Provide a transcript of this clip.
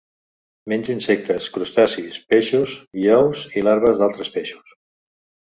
Menja insectes, crustacis, peixos i ous i larves d'altres peixos.